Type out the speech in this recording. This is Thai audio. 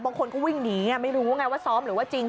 บางคนก็วิ่งหนีไม่รู้ไงว่าซ้อมหรือว่าจริง